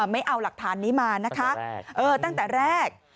ไม่เอาหลักฐานนี้มานะคะตั้งแต่แรก